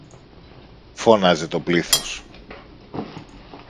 φώναζε το πλήθος.